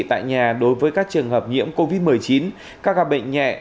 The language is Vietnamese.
tại nhà đối với các trường hợp nhiễm covid một mươi chín các ca bệnh nhẹ